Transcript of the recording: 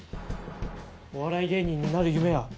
お笑い芸人になる夢は？